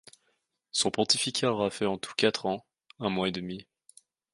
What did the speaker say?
Son pontificat aura fait en tout quatre ans, un mois et demi.